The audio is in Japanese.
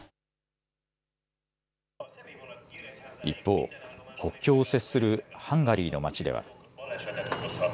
一方、国境を接するハンガリーの町では。